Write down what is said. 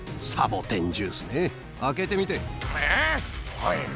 はい。